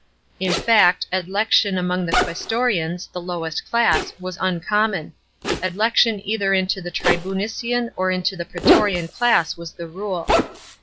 In fact, adlection among the qnsestoriatis (the lowest clas<) was uncommon ; adlection eirher into the tribunician or into the praetorian class was the rule.